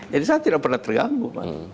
jadi saya tidak pernah terganggu